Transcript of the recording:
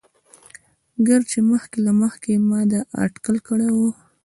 ګر چې مخکې له مخکې يې ما دا اتکل کړى وو.